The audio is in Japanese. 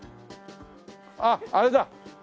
あっあれだ！